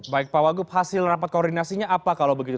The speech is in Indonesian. baik pak wagub hasil rapat koordinasinya apa kalau begitu